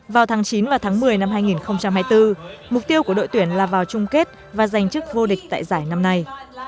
vào tháng chín và tháng một mươi năm hai nghìn hai mươi bốn mục tiêu của đội tuyển là vào chung kết và giành chức vô địch tại giải năm nay